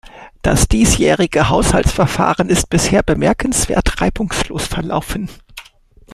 Das diesjährige Haushaltsverfahren ist bisher bemerkenswert reibungslos verlaufen.